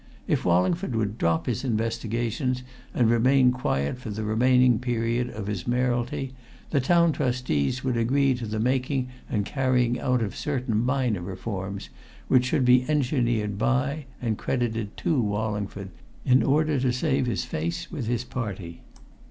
If Wallingford would drop his investigations and remain quiet for the remaining period of his mayoralty, the Town Trustees would agree to the making and carrying out of certain minor reforms which should be engineered by and credited to Wallingford in order to save his face with his party.